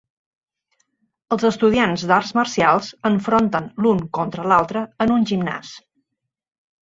Els estudiants d'arts marcials enfronten l'un contra l'altre en un gimnàs.